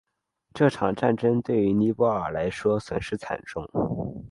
这场战争对于尼泊尔来说损失惨重。